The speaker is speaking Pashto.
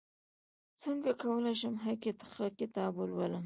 څنګه کولی شم ښه کتاب ولولم